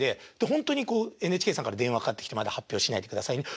ほんとにこうＮＨＫさんから電話かかってきて「まだ発表しないでくださいね」